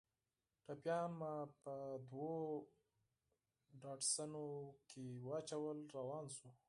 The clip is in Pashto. ټپيان مو په دوو ډاټسنو کښې واچول روان سو.